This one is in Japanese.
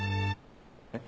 えっ？